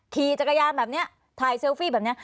ขี่จักรยานแบบนี้ถ่ายเซลฟี่แบบนี้